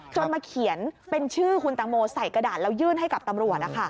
จนมาเขียนเป็นชื่อคุณตังโมใส่กระดาษแล้วยื่นให้กับตำรวจ